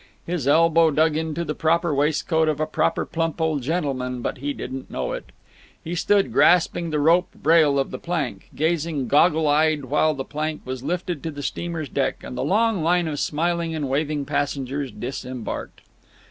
His elbow dug into the proper waistcoat of a proper plump old gentleman, but he didn't know it. He stood grasping the rope rail of the plank, gazing goggle eyed while the plank was lifted to the steamer's deck and the long line of smiling and waving passengers disembarked.